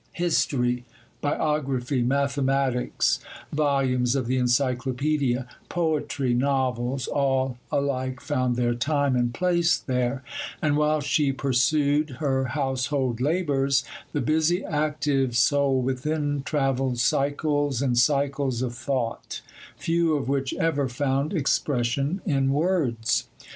History, biography, mathematics, volumes of the encyclopædia, poetry, novels, all alike found their time and place there,—and while she pursued her household labours, the busy, active soul within travelled cycles and cycles of thought, few of which ever found expression in words.